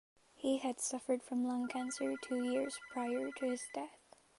He had suffered from lung cancer two years prior to his death.